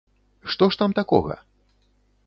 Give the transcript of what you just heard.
Што ж там такога?